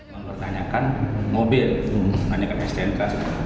mereka bertanyakan mobil bertanyakan stnk